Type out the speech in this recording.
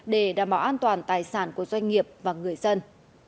để đảm bảo an toàn tài sản của doanh nghiệp và người dân